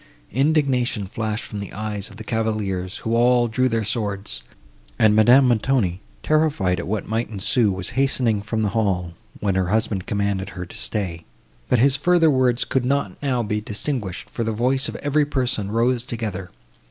Indignation flashed from the eyes of the cavaliers, who all drew their swords; and Madame Montoni, terrified at what might ensue, was hastening from the hall, when her husband commanded her to stay; but his further words could not now be distinguished, for the voice of every person rose together.